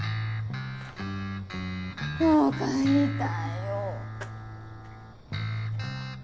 もう帰りたいよ。